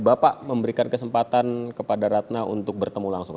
bapak memberikan kesempatan kepada ratna untuk bertemu langsung